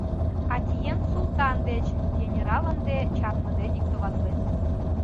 Атьен султан деч, — генерал ынде чарныде диктоватлен.